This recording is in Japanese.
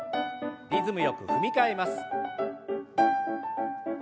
リズムよく踏み替えます。